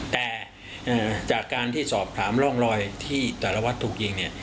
แต่จากการที่สอบถามร่องรอยที่สารวัตรถูกยิงเนี่ย